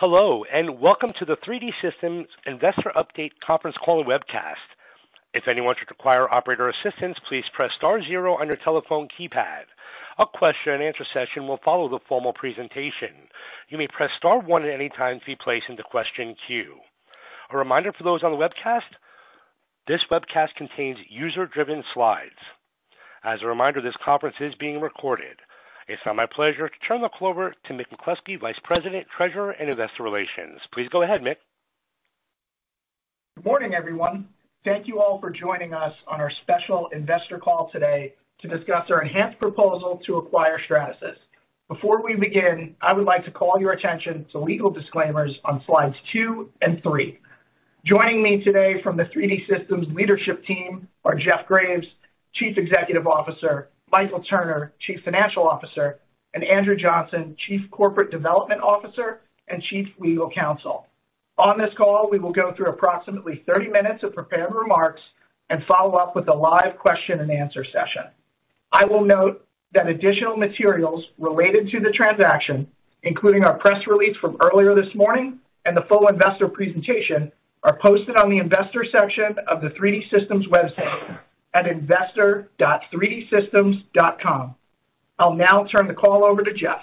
Hello, welcome to the 3D Systems Investor Update Conference Call Webcast. If anyone should require operator assistance, please press star 0 on your telephone keypad. A question and answer session will follow the formal presentation. You may press star one at any time to be placed into question queue. A reminder for those on the webcast, this webcast contains user-driven slides. As a reminder, this conference is being recorded. It's now my pleasure to turn the call over to Mick McCloskey, Vice President, Treasurer, and Investor Relations. Please go ahead, Mick. Good morning, everyone. Thank you all for joining us on our special investor call today to discuss our enhanced proposal to acquire Stratasys. Before we begin, I would like to call your attention to legal disclaimers on slides two and three. Joining me today from the 3D Systems leadership team are Jeff Graves, Chief Executive Officer, Eitan Zamir, Chief Financial Officer, and Andrew Johnson, Chief Corporate Development Officer and Chief Legal Counsel. On this call, we will go through approximately 30 minutes of prepared remarks and follow up with a live question and answer session. I will note that additional materials related to the transaction, including our press release from earlier this morning and the full investor presentation, are posted on the investor section of the 3D Systems website at investor.3dsystems.com. I'll now turn the call over to Jeff.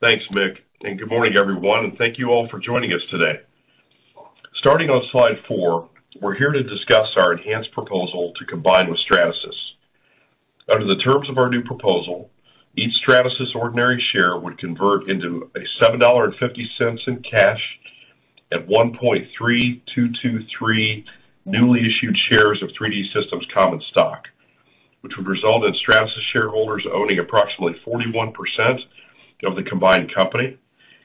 Thanks, Mick, and good morning, everyone, and thank you all for joining us today. Starting on slide four, we're here to discuss our enhanced proposal to combine with Stratasys. Under the terms of our new proposal, each Stratasys ordinary share would convert into a $7.50 in cash at 1.3223 newly issued shares of 3D Systems common stock, which would result in Stratasys shareholders owning approximately 41% of the combined company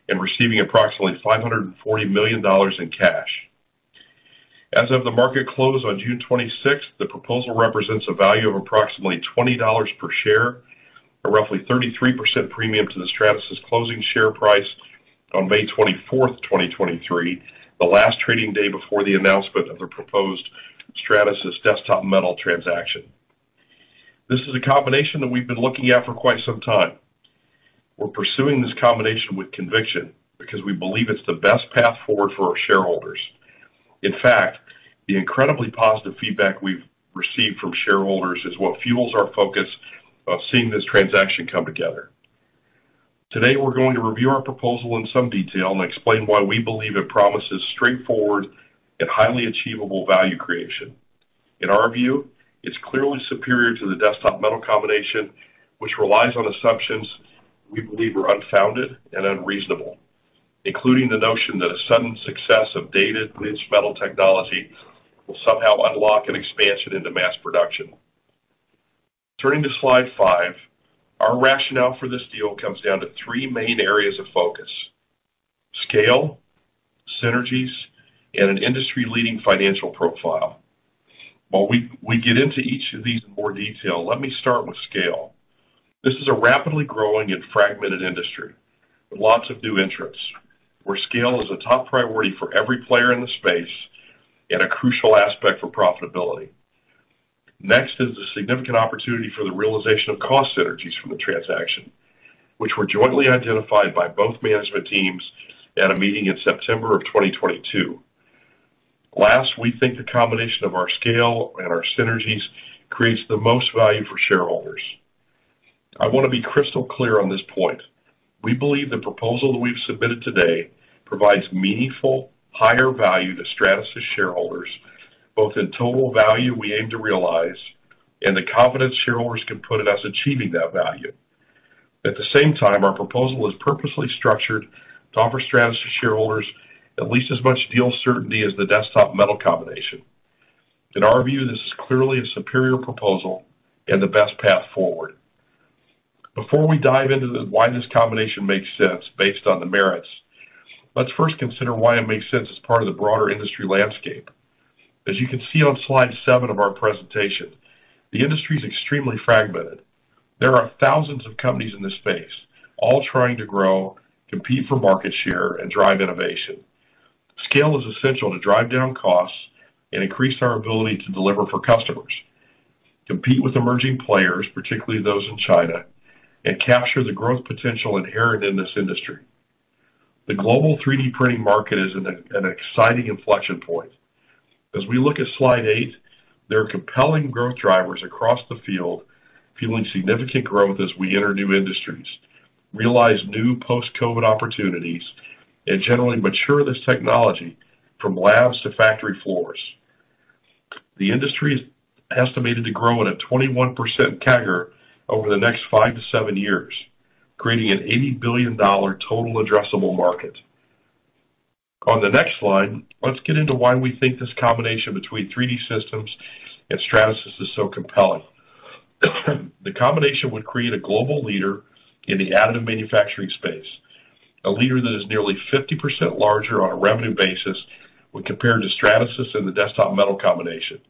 and receiving approximately $540 million in cash. As of the market close on June 26th, the proposal represents a value of approximately $20 per share, a roughly 33% premium to the Stratasys closing share price on May 24th, 2023, the last trading day before the announcement of the proposed Stratasys Desktop Metal transaction. This is a combination that we've been looking at for quite some time. We're pursuing this combination with conviction because we believe it's the best path forward for our shareholders. In fact, the incredibly positive feedback we've received from shareholders is what fuels our focus of seeing this transaction come together. Today, we're going to review our proposal in some detail and explain why we believe it promises straightforward and highly achievable value creation. In our view, it's clearly superior to the Desktop Metal combination, which relies on assumptions we believe are unfounded and unreasonable, including the notion that a sudden success of dated metal technology will somehow unlock an expansion into mass production. Turning to slide five, our rationale for this deal comes down to three main areas of focus: scale, synergies, and an industry-leading financial profile. While we get into each of these in more detail, let me start with scale. This is a rapidly growing and fragmented industry with lots of new entrants, where scale is a top priority for every player in the space and a crucial aspect for profitability. Next is the significant opportunity for the realization of cost synergies from the transaction, which were jointly identified by both management teams at a meeting in September of 2022. Last, we think the combination of our scale and our synergies creates the most value for shareholders. I want to be crystal clear on this point. We believe the proposal that we've submitted today provides meaningful, higher value to Stratasys shareholders, both in total value we aim to realize and the confidence shareholders can put in us achieving that value. At the same time, our proposal is purposely structured to offer Stratasys shareholders at least as much deal certainty as the Desktop Metal combination. In our view, this is clearly a superior proposal and the best path forward. Before we dive into the why this combination makes sense based on the merits, let's first consider why it makes sense as part of the broader industry landscape. As you can see on slide seven of our presentation, the industry is extremely fragmented. There are thousands of companies in this space, all trying to grow, compete for market share, and drive innovation. Scale is essential to drive down costs and increase our ability to deliver for customers, compete with emerging players, particularly those in China, and capture the growth potential inherent in this industry. The global 3D printing market is at an exciting inflection point. As we look at slide 8, there are compelling growth drivers across the field, fueling significant growth as we enter new industries, realize new post-COVID opportunities, and generally mature this technology from labs to factory floors. The industry is estimated to grow at a 21% CAGR over the next five to seven years, creating an $80 billion total addressable market. On the next slide, let's get into why we think this combination between 3D Systems and Stratasys is so compelling. The combination would create a global leader in the additive manufacturing space, a leader that is nearly 50% larger on a revenue basis when compared to Stratasys and the Desktop Metal combination.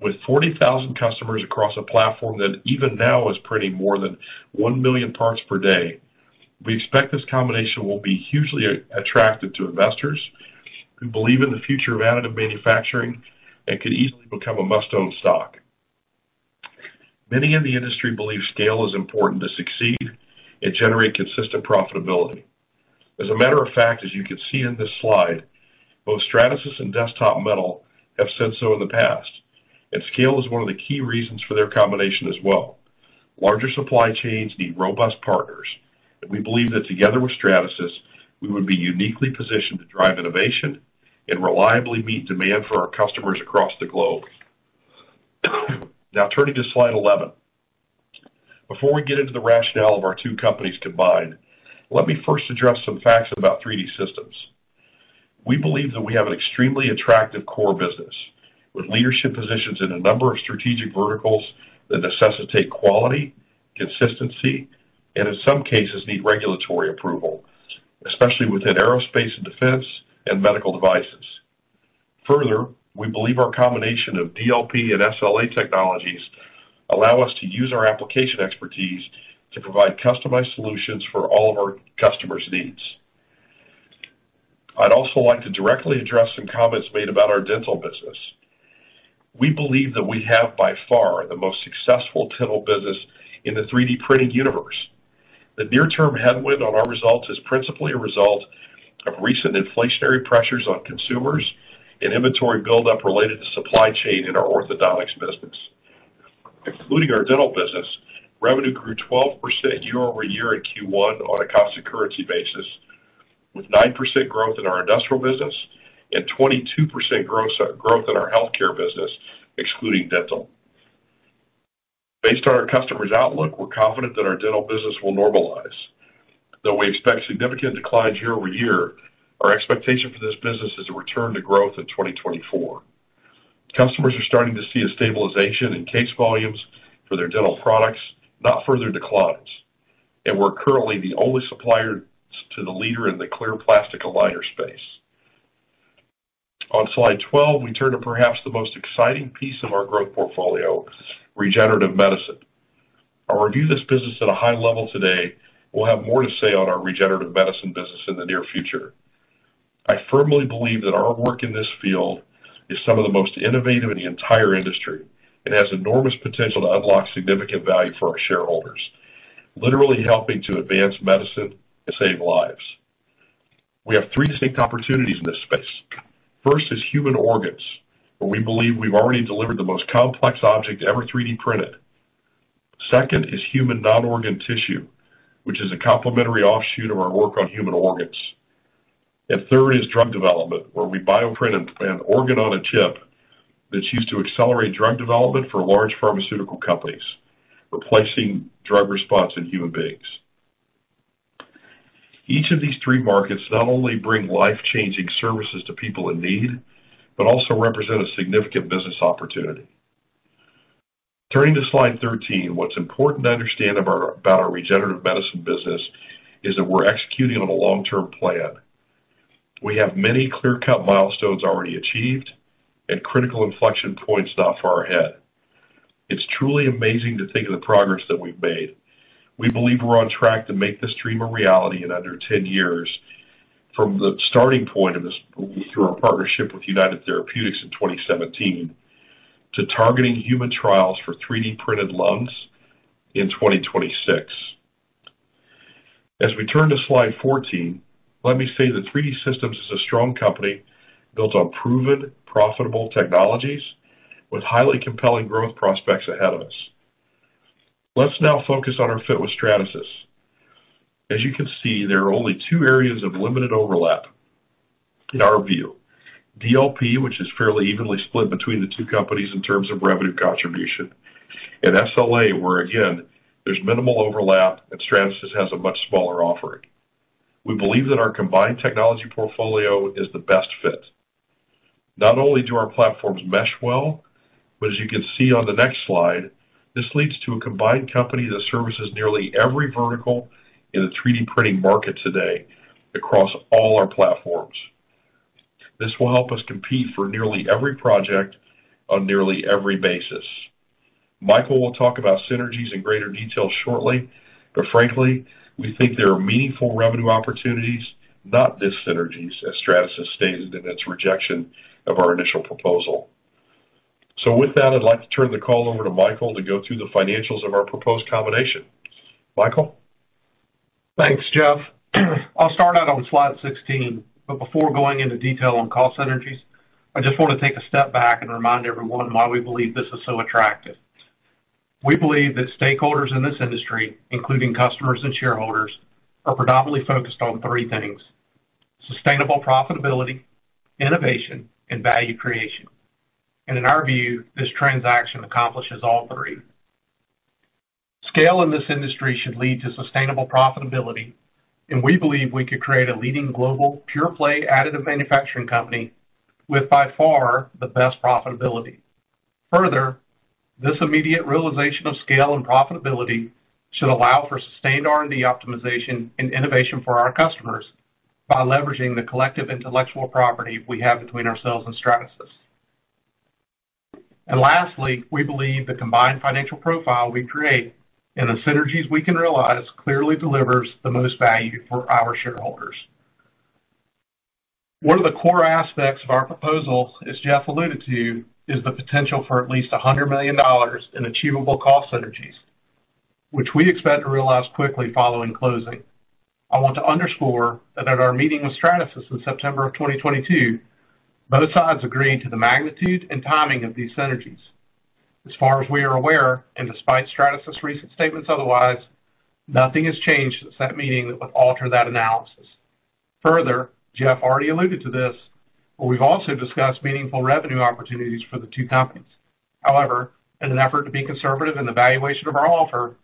With 40,000 customers across a platform that even now is printing more than one million parts per day, we expect this combination will be hugely at-attracted to investors who believe in the future of additive manufacturing and could easily become a must-own stock. Many in the industry believe scale is important to succeed and generate consistent profitability. As a matter of fact, as you can see in this slide, both Stratasys and Desktop Metal have said so in the past, Scale is one of the key reasons for their combination as well. Larger supply chains need robust partners, We believe that together with Stratasys, we would be uniquely positioned to drive innovation and reliably meet demand for our customers across the globe. Turning to slide 11. Before we get into the rationale of our two companies combined, let me first address some facts about 3D Systems. We believe that we have an extremely attractive core business, with leadership positions in a number of strategic verticals that necessitate quality, consistency, and in some cases, need regulatory approval, especially within aerospace and defense and medical devices. We believe our combination of DLP and SLA technologies allow us to use our application expertise to provide customized solutions for all of our customers' needs. I'd also like to directly address some comments made about our dental business. We believe that we have, by far, the most successful dental business in the 3D printing universe. The near-term headwind on our results is principally a result of recent inflationary pressures on consumers and inventory buildup related to supply chain in our orthodontics business. Excluding our dental business, revenue grew 12% year-over-year in Q1 on a constant currency basis, with 9% growth in our industrial business and 22% growth in our healthcare business, excluding dental. Based on our customers' outlook, we're confident that our dental business will normalize. Though we expect significant declines year-over-year, our expectation for this business is a return to growth in 2024. Customers are starting to see a stabilization in case volumes for their dental products, not further declines, and we're currently the only supplier to the leader in the clear plastic aligner space. On slide 12, we turn to perhaps the most exciting piece of our growth portfolio, regenerative medicine. I'll review this business at a high level today. We'll have more to say on our regenerative medicine business in the near future. I firmly believe that our work in this field is some of the most innovative in the entire industry, and has enormous potential to unlock significant value for our shareholders, literally helping to advance medicine and save lives. We have three distinct opportunities in this space. First is human organs, where we believe we've already delivered the most complex object ever 3D printed. Second is human non-organ tissue, which is a complementary offshoot of our work on human organs. Third is drug development, where we bioprint an organ-on-a-chip that's used to accelerate drug development for large pharmaceutical companies, replacing drug response in human beings. Each of these three markets not only bring life-changing services to people in need, but also represent a significant business opportunity. Turning to slide 13, what's important to understand about our regenerative medicine business is that we're executing on a long-term plan. We have many clear-cut milestones already achieved and critical inflection points not far ahead. It's truly amazing to think of the progress that we've made. We believe we're on track to make this dream a reality in under 10 years, from the starting point of this through our partnership with United Therapeutics in 2017, to targeting human trials for 3D printed lungs in 2026. As we turn to slide 14, let me say that 3D Systems is a strong company built on proven, profitable technologies with highly compelling growth prospects ahead of us. Let's now focus on our fit with Stratasys. As you can see, there are only two areas of limited overlap in our view. DLP, which is fairly evenly split between the two companies in terms of revenue contribution, and SLA, where again, there's minimal overlap and Stratasys has a much smaller offering. We believe that our combined technology portfolio is the best fit. Not only do our platforms mesh well, but as you can see on the next slide, this leads to a combined company that services nearly every vertical in the 3D printing market today across all our platforms. This will help us compete for nearly every project on nearly every basis. Michael will talk about synergies in greater detail shortly, but frankly, we think there are meaningful revenue opportunities, not dis-synergies, as Stratasys stated in its rejection of our initial proposal. With that, I'd like to turn the call over to Michael to go through the financials of our proposed combination. Michael? Thanks, Jeff. I'll start out on slide 16, but before going into detail on cost synergies, I just want to take a step back and remind everyone why we believe this is so attractive. We believe that stakeholders in this industry, including customers and shareholders, are predominantly focused on three things: sustainable profitability, innovation, and value creation. In our view, this transaction accomplishes all three. Scale in this industry should lead to sustainable profitability, and we believe we could create a leading global pure-play additive manufacturing company with, by far, the best profitability. Further, this immediate realization of scale and profitability should allow for sustained R&D optimization and innovation for our customers by leveraging the collective intellectual property we have between ourselves and Stratasys. Lastly, we believe the combined financial profile we create and the synergies we can realize clearly delivers the most value for our shareholders. One of the core aspects of our proposal, as Jeff alluded to, is the potential for at least $100 million in achievable cost synergies, which we expect to realize quickly following closing. I want to underscore that at our meeting with Stratasys in September 2022, both sides agreed to the magnitude and timing of these synergies. As far as we are aware, and despite Stratasys recent statements otherwise, nothing has changed since that meeting that would alter that analysis. Further, Jeff already alluded to this, but we've also discussed meaningful revenue opportunities for the two companies. However, in an effort to be conservative in the valuation of our offer,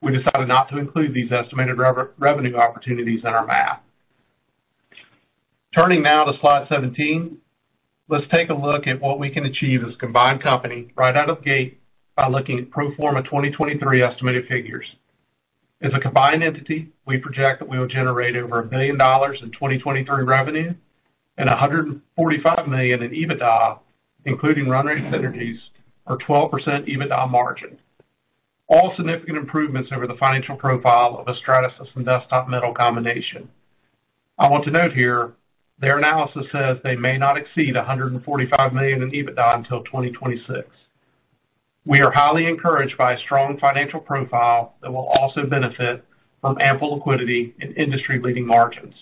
we decided not to include these estimated revenue opportunities in our math. Turning now to slide 17, let's take a look at what we can achieve as a combined company right out of the gate by looking at pro forma 2023 estimated figures. As a combined entity, we project that we will generate over $1 billion in 2023 revenue and $145 million in EBITDA, including run rate synergies or 12% EBITDA margin. All significant improvements over the financial profile of a Stratasys and Desktop Metal combination. I want to note here, their analysis says they may not exceed $145 million in EBITDA until 2026. We are highly encouraged by a strong financial profile that will also benefit from ample liquidity and industry-leading margins.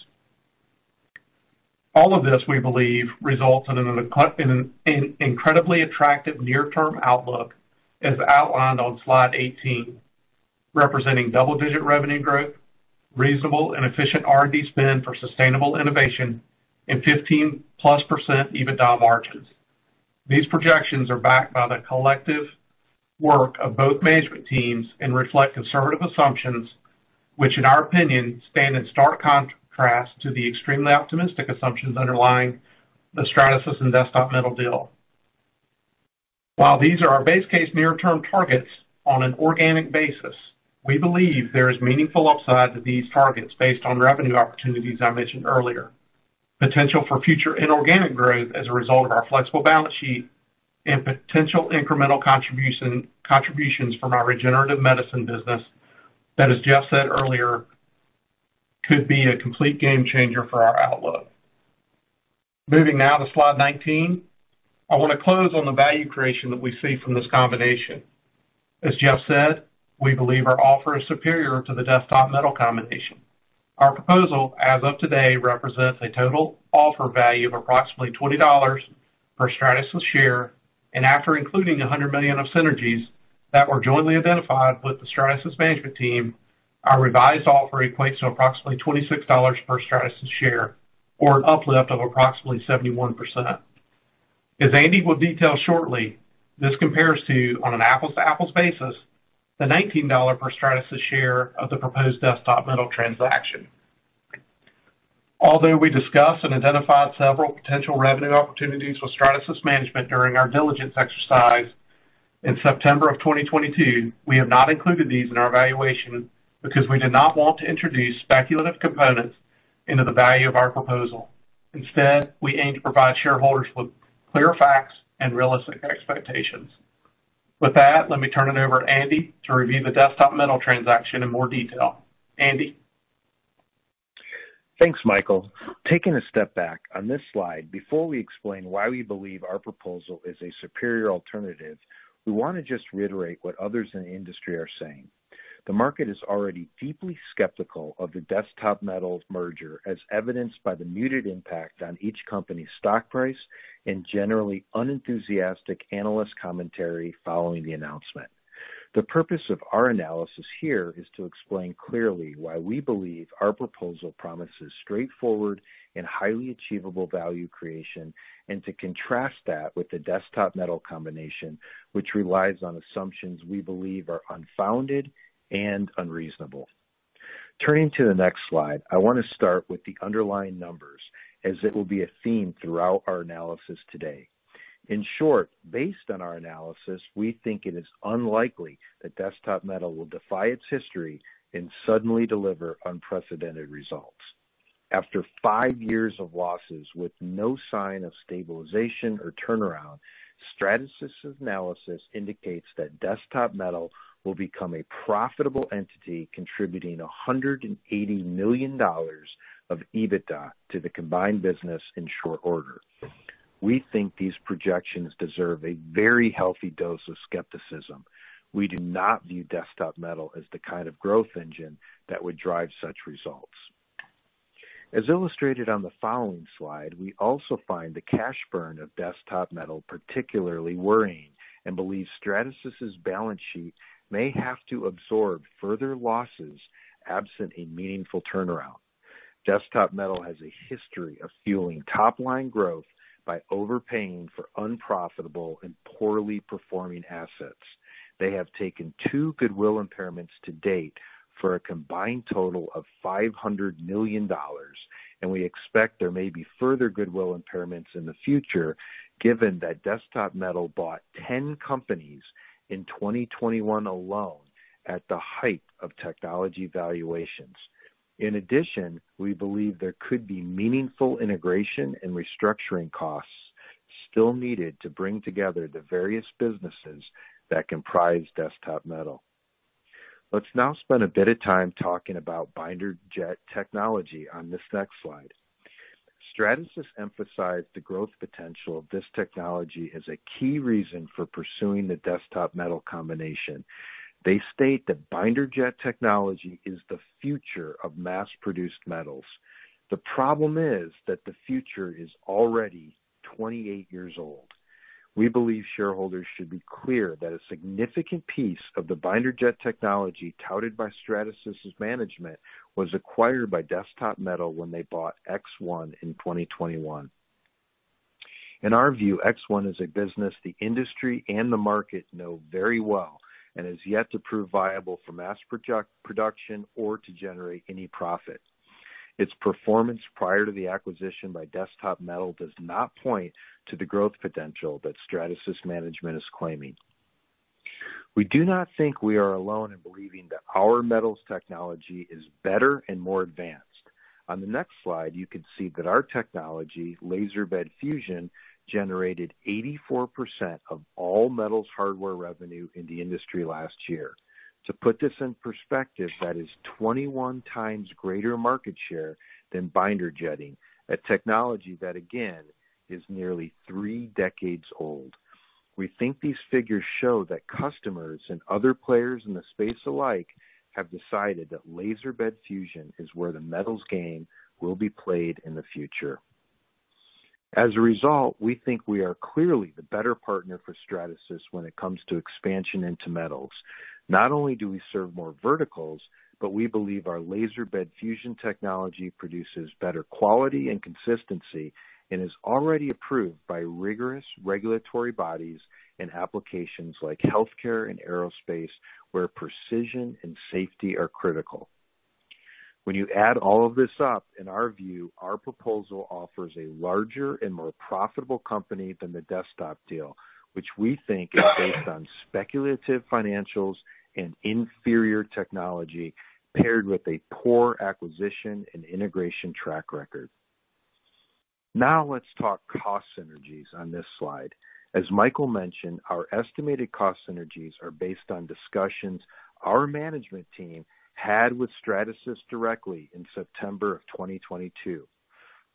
All of this, we believe, results in an incredibly attractive near-term outlook, as outlined on slide 18, representing double-digit revenue growth, reasonable and efficient R&D spend for sustainable innovation, and 15%+ EBITDA margins. These projections are backed by the collective work of both management teams and reflect conservative assumptions, which in our opinion, stand in stark contrast to the extremely optimistic assumptions underlying the Stratasys and Desktop Metal deal. While these are our base case near-term targets on an organic basis, we believe there is meaningful upside to these targets based on revenue opportunities I mentioned earlier. Potential for future inorganic growth as a result of our flexible balance sheet and potential incremental contributions from our regenerative medicine business that, as Jeff said earlier, could be a complete game changer for our outlook. Moving now to slide 19, I want to close on the value creation that we see from this combination. As Jeff said, we believe our offer is superior to the Desktop Metal combination. Our proposal, as of today, represents a total offer value of approximately $20 per Stratasys share, and after including $100 million of synergies that were jointly identified with the Stratasys management team, our revised offer equates to approximately $26 per Stratasys share, or an uplift of approximately 71%. As Andy will detail shortly, this compares to, on an apples-to-apples basis, the $19 per Stratasys share of the proposed Desktop Metal transaction. Although we discussed and identified several potential revenue opportunities with Stratasys management during our diligence exercise in September of 2022, we have not included these in our valuation because we did not want to introduce speculative components into the value of our proposal. Instead, we aim to provide shareholders with clear facts and realistic expectations. With that, let me turn it over to Andy to review the Desktop Metal transaction in more detail. Andy? Thanks, Michael. Taking a step back, on this slide, before we explain why we believe our proposal is a superior alternative, we want to just reiterate what others in the industry are saying. The market is already deeply skeptical of the Desktop Metal merger, as evidenced by the muted impact on each company's stock price and generally unenthusiastic analyst commentary following the announcement. The purpose of our analysis here is to explain clearly why we believe our proposal promises straightforward and highly achievable value creation, and to contrast that with the Desktop Metal combination, which relies on assumptions we believe are unfounded and unreasonable. Turning to the next slide, I want to start with the underlying numbers, as it will be a theme throughout our analysis today. In short, based on our analysis, we think it is unlikely that Desktop Metal will defy its history and suddenly deliver unprecedented results. After five years of losses with no sign of stabilization or turnaround, Stratasys' analysis indicates that Desktop Metal will become a profitable entity, contributing $180 million of EBITDA to the combined business in short order. We think these projections deserve a very healthy dose of skepticism. We do not view Desktop Metal as the kind of growth engine that would drive such results. As illustrated on the following slide, we also find the cash burn of Desktop Metal particularly worrying and believe Stratasys' balance sheet may have to absorb further losses absent a meaningful turnaround. Desktop Metal has a history of fueling top-line growth by overpaying for unprofitable and poorly performing assets. They have taken two goodwill impairments to date for a combined total of $500 million, and we expect there may be further goodwill impairments in the future, given that Desktop Metal bought 10 companies in 2021 alone, at the height of technology valuations. In addition, we believe there could be meaningful integration and restructuring costs still needed to bring together the various businesses that comprise Desktop Metal. Let's now spend a bit of time talking about binder jet technology on this next slide. Stratasys emphasized the growth potential of this technology as a key reason for pursuing the Desktop Metal combination. They state that binder jet technology is the future of mass-produced metals. The problem is that the future is already 28 years old. We believe shareholders should be clear that a significant piece of the binder jet technology touted by Stratasys' management was acquired by Desktop Metal when they bought ExOne in 2021. In our view, ExOne is a business the industry and the market know very well and has yet to prove viable for mass production or to generate any profit. Its performance prior to the acquisition by Desktop Metal does not point to the growth potential that Stratasys management is claiming. We do not think we are alone in believing that our metals technology is better and more advanced. On the next slide, you can see that our technology, laser powder bed fusion, generated 84% of all metals hardware revenue in the industry last year. To put this in perspective, that is 21 times greater market share than binder jetting, a technology that, again, is nearly three decades old. We think these figures show that customers and other players in the space alike have decided that laser bed fusion is where the metals game will be played in the future. As a result, we think we are clearly the better partner for Stratasys when it comes to expansion into metals. Not only do we serve more verticals, but we believe our laser bed fusion technology produces better quality and consistency, and is already approved by rigorous regulatory bodies in applications like healthcare and aerospace, where precision and safety are critical. When you add all of this up, in our view, our proposal offers a larger and more profitable company than the Desktop deal, which we think is based on speculative financials and inferior technology, paired with a poor acquisition and integration track record. Now, let's talk cost synergies on this slide. As Michael mentioned, our estimated cost synergies are based on discussions our management team had with Stratasys directly in September of 2022.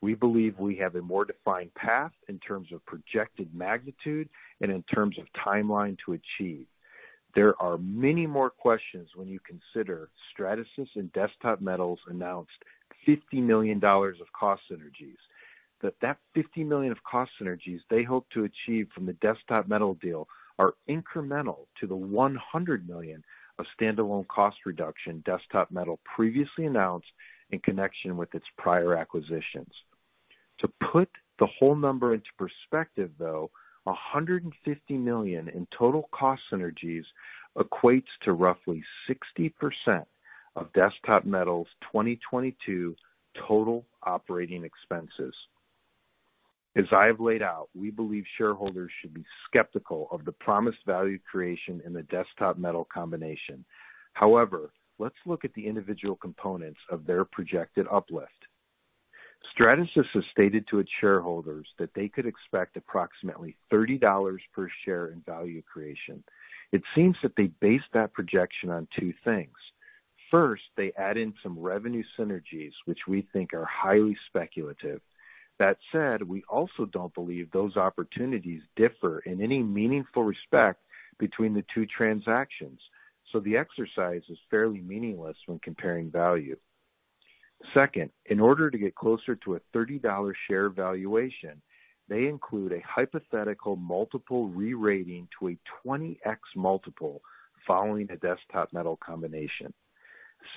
We believe we have a more defined path in terms of projected magnitude and in terms of timeline to achieve. There are many more questions when you consider Stratasys and Desktop Metal announced $50 million of cost synergies, that $50 million of cost synergies they hope to achieve from the Desktop Metal deal are incremental to the $100 million of standalone cost reduction Desktop Metal previously announced in connection with its prior acquisitions. To put the whole number into perspective, though, $150 million in total cost synergies equates to roughly 60% of Desktop Metal's 2022 total operating expenses. As I have laid out, we believe shareholders should be skeptical of the promised value creation in the Desktop Metal combination. Let's look at the individual components of their projected uplift. Stratasys has stated to its shareholders that they could expect approximately $30 per share in value creation. It seems that they based that projection on two things. First, they add in some revenue synergies, which we think are highly speculative. That said, we also don't believe those opportunities differ in any meaningful respect between the two transactions, so the exercise is fairly meaningless when comparing value. Second, in order to get closer to a $30 share valuation, they include a hypothetical multiple re-rating to a 20x multiple following a Desktop Metal combination.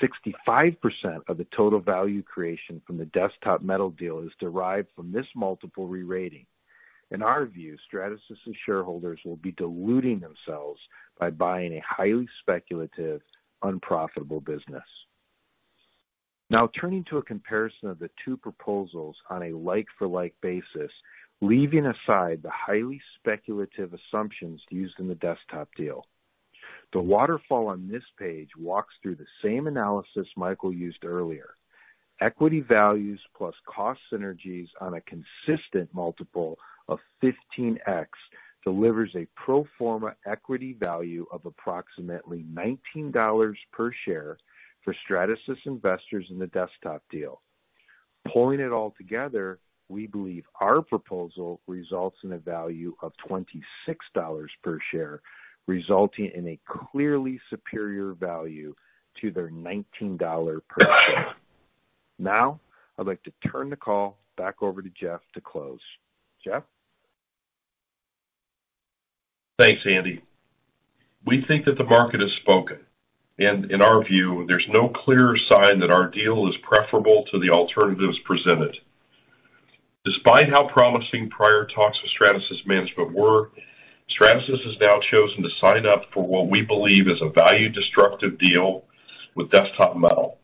65% of the total value creation from the Desktop Metal deal is derived from this multiple re-rating. In our view, Stratasys shareholders will be diluting themselves by buying a highly speculative, unprofitable business. Now, turning to a comparison of the two proposals on a like-for-like basis, leaving aside the highly speculative assumptions used in the Desktop deal. The waterfall on this page walks through the same analysis Michael used earlier. Equity values plus cost synergies on a consistent multiple of 15x delivers a pro forma equity value of approximately $19 per share for Stratasys investors in the Desktop deal. Pulling it all together, we believe our proposal results in a value of $26 per share, resulting in a clearly superior value to their $19 per share. Now, I'd like to turn the call back over to Jeff to close. Jeff? Thanks, Andy. We think that the market has spoken, and in our view, there's no clearer sign that our deal is preferable to the alternatives presented. Despite how promising prior talks with Stratasys management were, Stratasys has now chosen to sign up for what we believe is a value-destructive deal with Desktop Metal.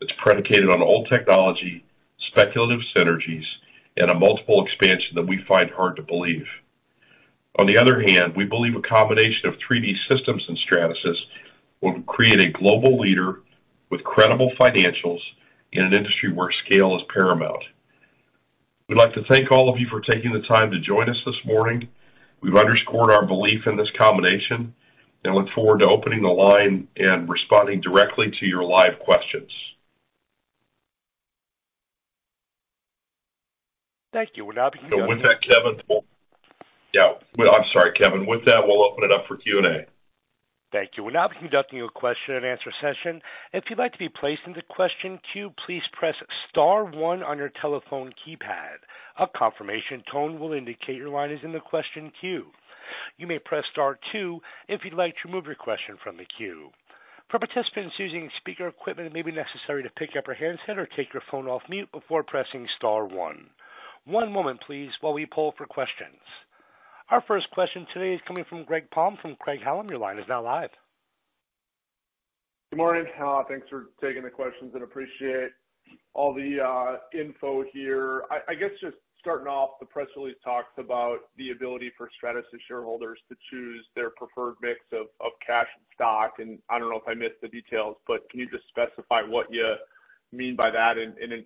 It's predicated on old technology, speculative synergies, and a multiple expansion that we find hard to believe. On the other hand, we believe a combination of 3D Systems and Stratasys will create a global leader with credible financials in an industry where scale is paramount. We'd like to thank all of you for taking the time to join us this morning. We've underscored our belief in this combination and look forward to opening the line and responding directly to your live questions. With that, Kevin, I'm sorry, Kevin. With that, we'll open it up for Q&A. Thank you. We'll now be conducting a question-and-answer session. If you'd like to be placed in the question queue, please press star one on your telephone keypad. A confirmation tone will indicate your line is in the question queue. You may press star two if you'd like to remove your question from the queue. For participants using speaker equipment, it may be necessary to pick up your handset or take your phone off mute before pressing star one. One moment, please, while we poll for questions. Our first question today is coming from Greg Palm from Craig-Hallum. Your line is now live. Good morning. Thanks for taking the questions and appreciate all the info here. I guess just starting off, the press release talks about the ability for Stratasys shareholders to choose their preferred mix of cash and stock, and I don't know if I missed the details, but can you just specify what you mean by that?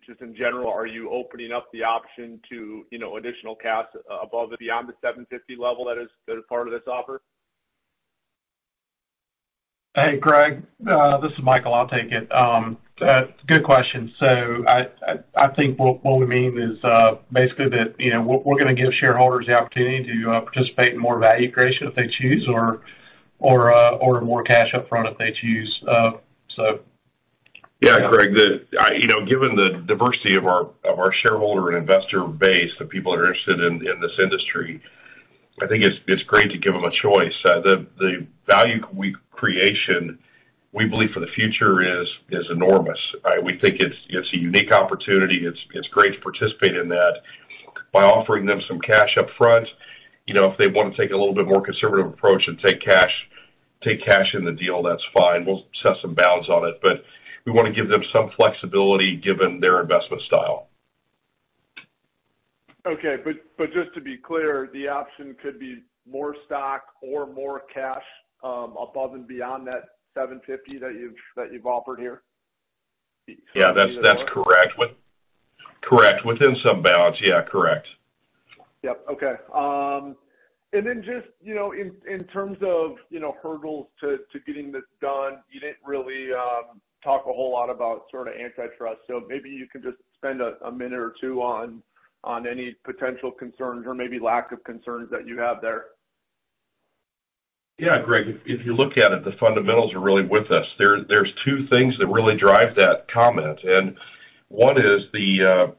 Just in general, are you opening up the option to, you know, additional cash above and beyond the $750 level that is part of this offer? Hey, Greg, this is Michael. I'll take it. Good question. I think what we mean is basically that, you know, we're gonna give shareholders the opportunity to participate in more value creation if they choose, or more cash up front if they choose. Greg, you know, given the diversity of our, of our shareholder and investor base, the people that are interested in this industry, I think it's great to give them a choice. The value we creation, we believe for the future is enormous. We think it's a unique opportunity. It's, it's great to participate in that by offering them some cash up front. You know, if they wanna take a little bit more conservative approach and take cash in the deal, that's fine. We'll set some bounds on it, but we wanna give them some flexibility given their investment style. Okay, just to be clear, the option could be more stock or more cash, above and beyond that $750 that you've offered here? Yeah, that's correct. Correct. Within some bounds, yeah, correct. Yep. Okay. Then just, you know, in terms of, you know, hurdles to getting this done, you didn't really talk a whole lot about sort of antitrust. Maybe you can just spend a minute or two on any potential concerns or maybe lack of concerns that you have there. Greg, if you look at it, the fundamentals are really with us. There's two things that really drive that comment, and one is the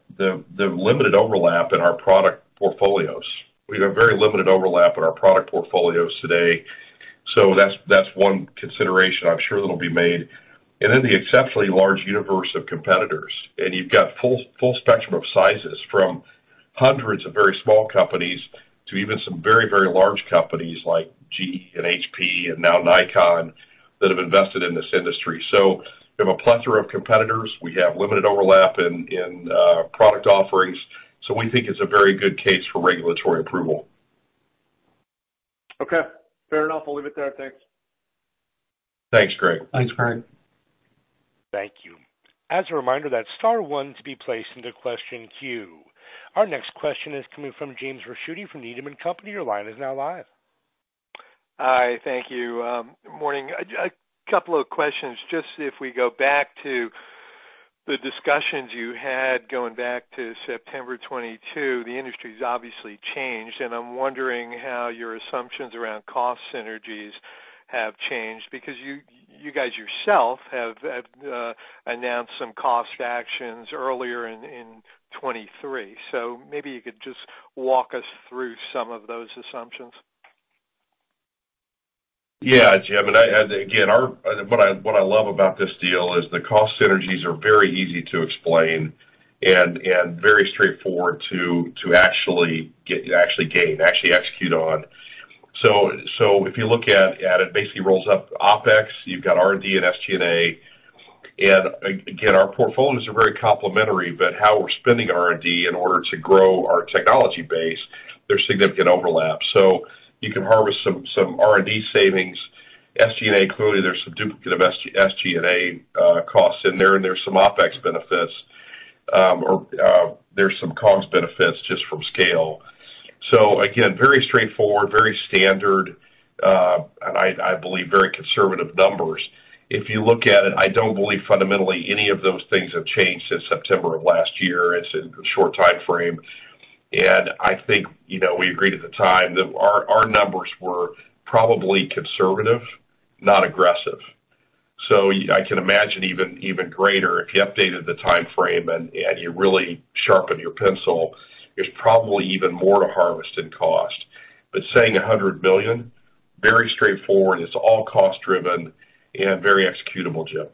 limited overlap in our product portfolios. We have a very limited overlap in our product portfolios today, so that's one consideration I'm sure that'll be made. Then the exceptionally large universe of competitors, you've got full spectrum of sizes, from hundreds of very small companies to even some very, very large companies like GE and HP and now Nikon, that have invested in this industry. We have a plethora of competitors. We have limited overlap in product offerings, so we think it's a very good case for regulatory approval. Okay, fair enough. I'll leave it there. Thanks. Thanks, Greg. Thanks, Greg. Thank you. As a reminder, that's star one to be placed into question queue. Our next question is coming from James Ricchiuti from Needham & Company. Your line is now live. Hi, thank you. Good morning. A couple of questions. Just if we go back to the discussions you had going back to September 2022, the industry's obviously changed, and I'm wondering how your assumptions around cost synergies have changed because you guys yourself have announced some cost actions earlier in 2023. Maybe you could just walk us through some of those assumptions. Yeah, Jim, and I, again, what I love about this deal is the cost synergies are very easy to explain and very straightforward to actually get, gain, execute on. If you look at it basically rolls up OpEx, you've got R&D and SG&A. Again, our portfolios are very complementary, but how we're spending R&D in order to grow our technology base, there's significant overlap. You can harvest some R&D savings. SG&A included, there's some duplicate of SG&A costs in there, and there's some OpEx benefits, or there's some COGS benefits just from scale. Again, very straightforward, very standard, and I believe, very conservative numbers. If you look at it, I don't believe fundamentally any of those things have changed since September of last year. It's a short timeframe. I think, you know, we agreed at the time that our numbers were probably conservative, not aggressive. I can imagine even greater if you updated the timeframe and you really sharpened your pencil, there's probably even more to harvest in cost. Saying $100 billion, very straightforward, it's all cost driven and very executable, Jim.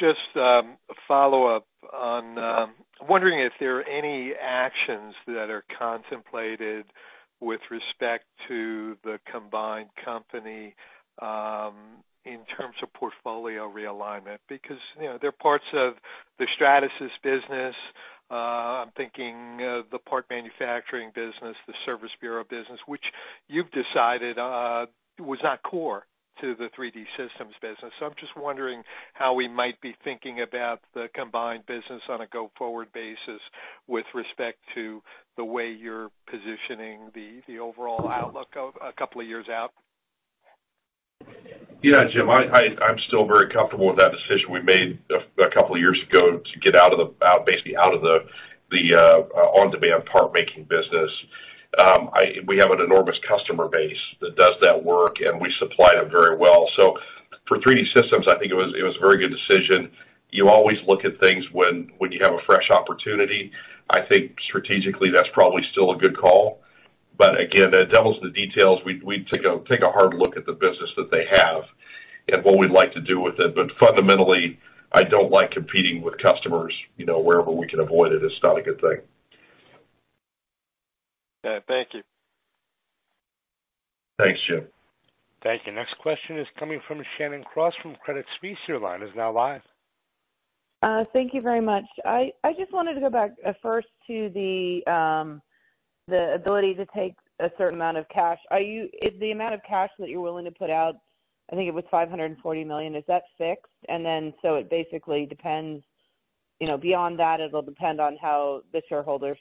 Just a follow-up on, I'm wondering if there are any actions that are contemplated with respect to the combined company, in terms of portfolio realignment, because, you know, there are parts of the Stratasys business.... I'm thinking, the part manufacturing business, the service bureau business, which you've decided, was not core to the 3D Systems business. I'm just wondering how we might be thinking about the combined business on a go-forward basis with respect to the way you're positioning the overall outlook of a couple of years out. Yeah, Jim, I'm still very comfortable with that decision we made a couple of years ago to get out of basically out of the on-demand part making business. We have an enormous customer base that does that work, and we supply them very well. For 3D Systems, I think it was a very good decision. You always look at things when you have a fresh opportunity. I think strategically, that's probably still a good call. Again, the devil's in the details. We'd take a hard look at the business that they have and what we'd like to do with it. Fundamentally, I don't like competing with customers, you know, wherever we can avoid it. It's not a good thing. Yeah. Thank you. Thanks, Jim. Thank you. Next question is coming from Shannon Cross from Credit Suisse. Your line is now live. Thank you very much. I just wanted to go back first to the ability to take a certain amount of cash. Is the amount of cash that you're willing to put out, I think it was $540 million, is that fixed? It basically depends, you know, beyond that, it'll depend on how the shareholders,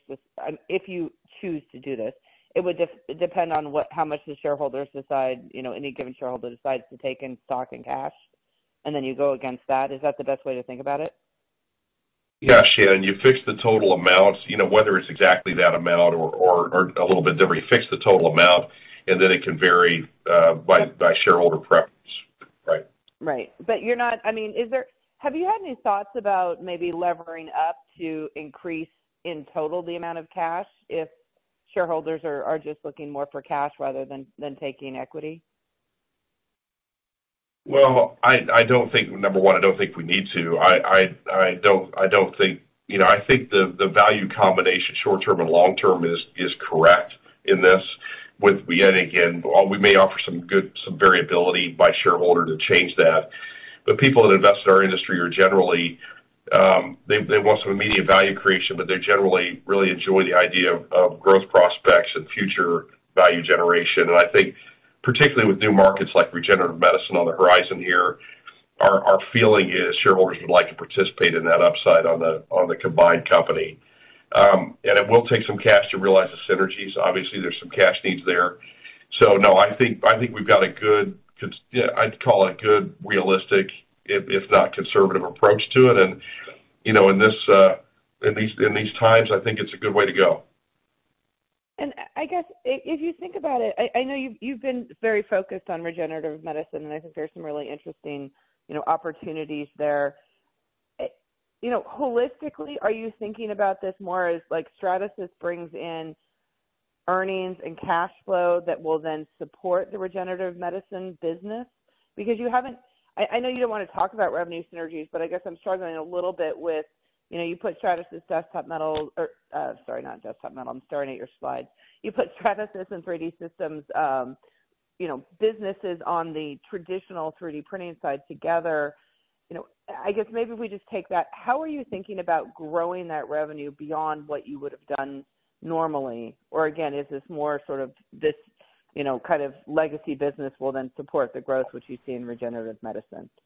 if you choose to do this, it would depend on what, how much the shareholders decide, you know, any given shareholder decides to take in stock and cash, and then you go against that. Is that the best way to think about it? Yeah, Shannon, you fix the total amount, you know, whether it's exactly that amount or a little bit different. You fix the total amount, and then it can vary by shareholder preference. Right. Right. You're not, I mean, have you had any thoughts about maybe levering up to increase in total the amount of cash, if shareholders are just looking more for cash rather than taking equity? I don't think, number one, I don't think we need to. I don't you know, I think the value combination, short term and long term is correct in this with, yet again, while we may offer some good, some variability by shareholder to change that, but people that invest in our industry are generally, they want some immediate value creation, but they generally really enjoy the idea of growth prospects and future value generation. I think particularly with new markets like regenerative medicine on the horizon here, our feeling is shareholders would like to participate in that upside on the combined company. It will take some cash to realize the synergies. Obviously, there's some cash needs there. No, I think we've got a good yeah, I'd call it good, realistic, if not conservative approach to it. You know, in these times, I think it's a good way to go. I guess if you think about it, I know you've been very focused on regenerative medicine, and I think there's some really interesting, you know, opportunities there. You know, holistically, are you thinking about this more as like Stratasys brings in earnings and cash flow that will then support the regenerative medicine business? I know you don't want to talk about revenue synergies, but I guess I'm struggling a little bit with, you know, you put Stratasys, Desktop Metal, or, sorry, not Desktop Metal, I'm staring at your slide. You put Stratasys and 3D Systems, you know, businesses on the traditional 3D printing side together. I guess maybe if we just take that, how are you thinking about growing that revenue beyond what you would have done normally? Again, is this more sort of this, you know, kind of legacy business will then support the growth which you see in regenerative medicine, if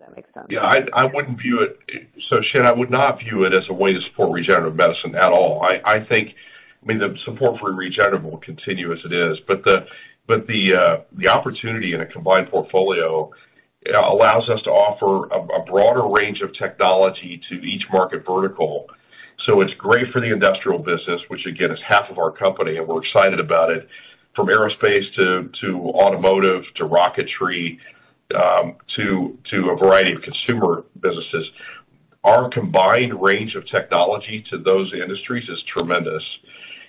that makes sense? Yeah, I wouldn't view it, so Shannon, I would not view it as a way to support regenerative medicine at all. I think, I mean, the support for regenerative will continue as it is, but the opportunity in a combined portfolio allows us to offer a broader range of technology to each market vertical. It's great for the industrial business, which again, is half of our company, and we're excited about it, from aerospace to automotive, to rocketry, to a variety of consumer businesses. Our combined range of technology to those industries is tremendous.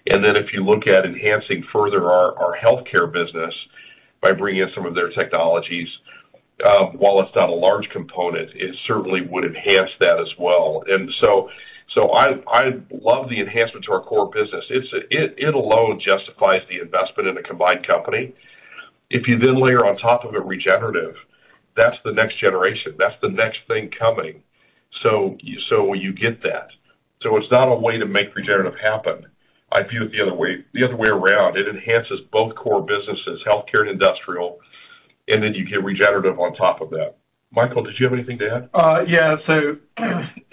If you look at enhancing further our healthcare business by bringing in some of their technologies, while it's not a large component, it certainly would enhance that as well. I love the enhancement to our core business. It alone justifies the investment in a combined company. If you layer on top of it, regenerative, that's the next generation, that's the next thing coming. You get that. It's not a way to make regenerative happen. I view it the other way, the other way around. It enhances both core businesses, healthcare and industrial, and you get regenerative on top of that. Michael, did you have anything to add? Yeah.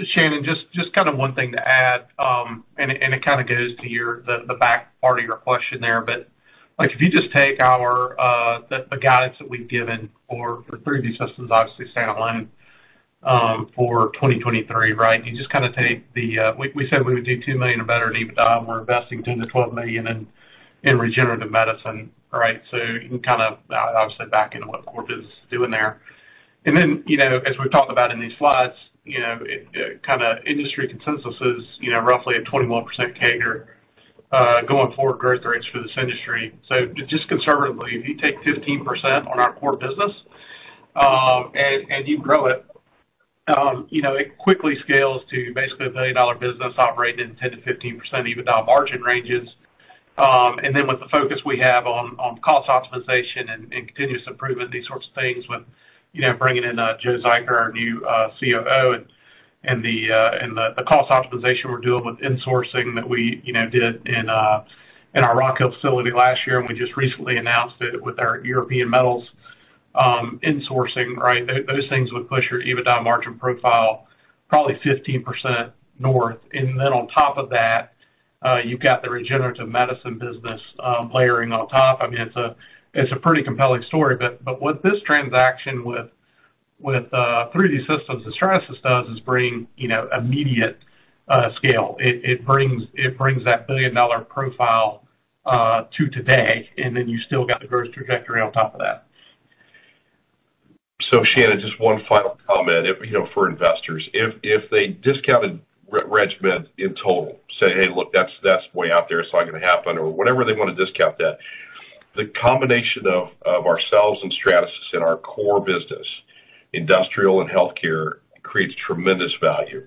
Shannon, just kind of one thing to add, and it kind of goes to your the back part of your question there. Like, if you just take our the guidance that we've given for 3D Systems, obviously, standalone, for 2023, right? You just kind of take the we said we would do $2 million or better in EBITDA. We're investing $10 million-$12 million in regenerative medicine, right? You can kind of obviously back into what Corporate is doing there. You know, as we've talked about in these slides, you know, it kind of industry consensus is, you know, roughly a 21% CAGR going forward growth rates for this industry. Just conservatively, if you take 15% on our core business, and you grow it quickly scales to basically a billion-dollar business operating in 10%-15% EBITDA margin ranges. With the focus we have on cost optimization and continuous improvement, these sorts of things, with bringing in Joe Zeiger, our new COO, and the cost optimization we're doing with insourcing that we did in our Rock Hill facility last year, and we just recently announced it with our European metals insourcing, right? Those things would push your EBITDA margin profile probably 15% north. On top of that, you've got the regenerative medicine business layering on top. I mean, it's a pretty compelling story. What this transaction with 3D Systems and Stratasys does, is bring, you know, immediate scale. It brings that billion-dollar profile to today. You still got the growth trajectory on top of that. Shannon, just one final comment. If, you know, for investors, if they discounted RegMed in total, say, "Hey, look, that's way out there, it's not gonna happen," or whatever they wanna discount that, the combination of ourselves and Stratasys in our core business, industrial and healthcare, creates tremendous value,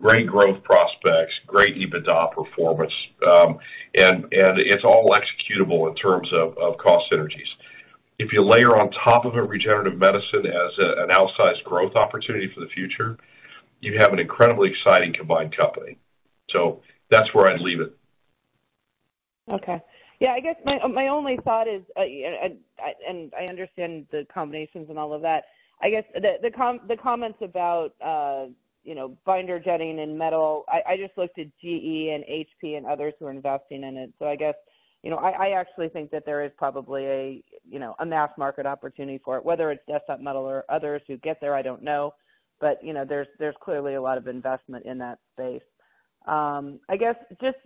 great growth prospects, great EBITDA performance, and it's all executable in terms of cost synergies. If you layer on top of a regenerative medicine as an outsized growth opportunity for the future, you have an incredibly exciting combined company. That's where I'd leave it. Okay. Yeah, I guess my only thought is, and I understand the combinations and all of that. I guess the comments about, you know, binder jetting and metal, I just looked at GE and HP and others who are investing in it. I guess, you know, I actually think that there is probably a, you know, a mass market opportunity for it, whether it's Desktop Metal or others who get there, I don't know. You know, there's clearly a lot of investment in that space. I guess just,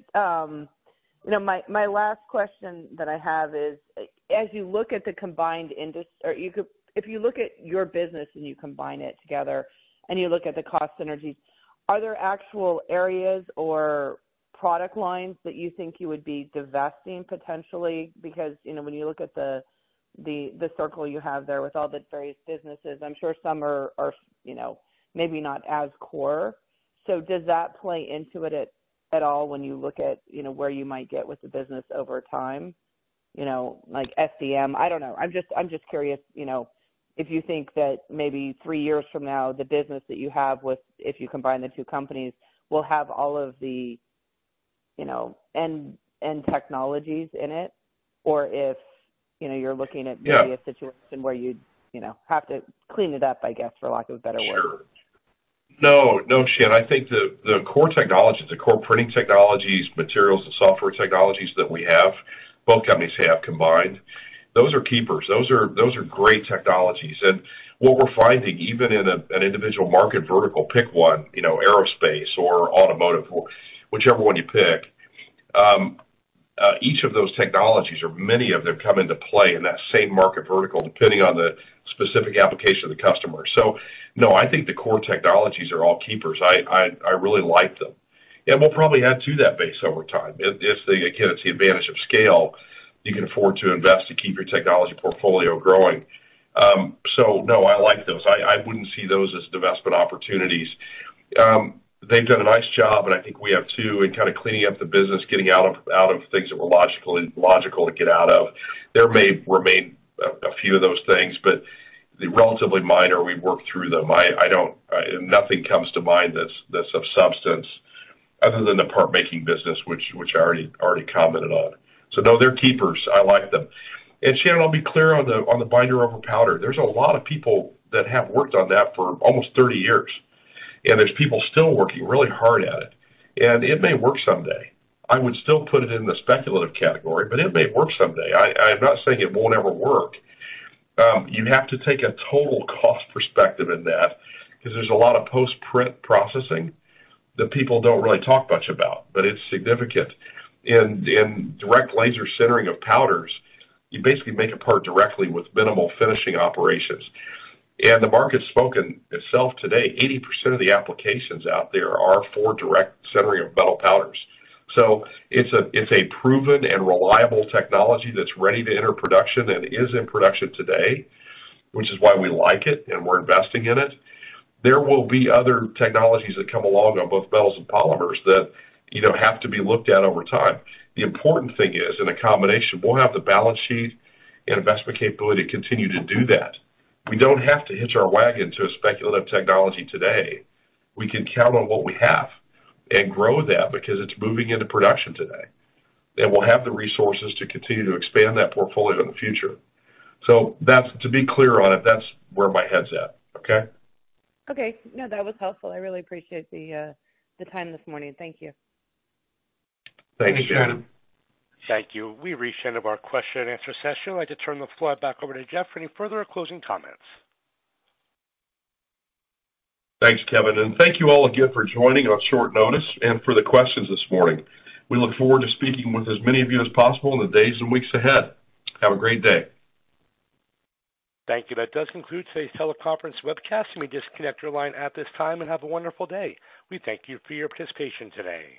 you know, my last question that I have is, as you look at the combined or you could. If you look at your business and you combine it together, and you look at the cost synergies, are there actual areas or product lines that you think you would be divesting potentially? You know, when you look at the circle you have there with all the various businesses, I'm sure some are, you know, maybe not as core. Does that play into it at all when you look at, you know, where you might get with the business over time? You know, like SDM, I don't know. I'm just curious, you know, if you think that maybe three years from now, the business that you have with, if you combine the two companies, will have all of the, you know, end technologies in it, or if, you know, you're looking at. Yeah Maybe a situation where you'd, you know, have to clean it up, I guess, for lack of a better word. Sure. No, no, Shannon, I think the core technologies, the core printing technologies, materials, and software technologies that we have, both companies have combined, those are keepers. Those are great technologies. What we're finding, even in a, an individual market vertical, pick one, you know, aerospace or automotive or whichever one you pick, each of those technologies or many of them come into play in that same market vertical, depending on the specific application of the customer. No, I think the core technologies are all keepers. I really like them, and we'll probably add to that base over time. If, again, it's the advantage of scale, you can afford to invest to keep your technology portfolio growing. No, I like those. I wouldn't see those as divestment opportunities. They've done a nice job, I think we have, too, in kind of cleaning up the business, getting out of things that were logical to get out of. There may remain a few of those things, they're relatively minor. We've worked through them. I don't nothing comes to mind that's of substance, other than the part-making business, which I already commented on. No, they're keepers. I like them. Shannon, I'll be clear on the binder over powder. There's a lot of people that have worked on that for almost 30 years, there's people still working really hard at it may work someday. I would still put it in the speculative category, it may work someday. I'm not saying it won't ever work. You have to take a total cost perspective in that, because there's a lot of post-print processing that people don't really talk much about, but it's significant. In direct laser sintering of powders, you basically make a part directly with minimal finishing operations. The market's spoken itself today, 80% of the applications out there are for direct sintering of metal powders. It's a proven and reliable technology that's ready to enter production and is in production today, which is why we like it, and we're investing in it. There will be other technologies that come along on both metals and polymers that, you know, have to be looked at over time. The important thing is, in a combination, we'll have the balance sheet and investment capability to continue to do that. We don't have to hitch our wagon to a speculative technology today. We can count on what we have and grow that because it's moving into production today, and we'll have the resources to continue to expand that portfolio in the future. That's, to be clear on it, that's where my head's at, okay? Okay. No, that was helpful. I really appreciate the time this morning. Thank you. Thank you, Shannon. Thank you. We've reached the end of our question and answer session. I'd like to turn the floor back over to Jeff for any further or closing comments. Thanks, Kevin, and thank you all again for joining on short notice and for the questions this morning. We look forward to speaking with as many of you as possible in the days and weeks ahead. Have a great day. Thank you. That does conclude today's teleconference webcast. You may disconnect your line at this time and have a wonderful day. We thank you for your participation today.